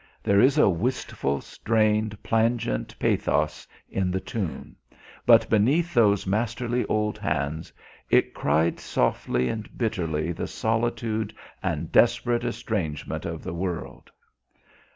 There is a wistful strained, plangent pathos in the tune; but beneath those masterly old hands it cried softly and bitterly the solitude and desperate estrangement of the world.